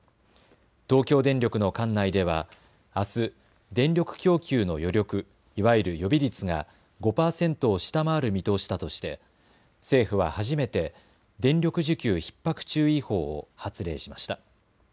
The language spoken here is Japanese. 東京電力の管内ではあす電力供給の余力いわゆる予備率が５％を下回る見通しだとして政府は初めて電力需給ひっ迫注意報を発令しました。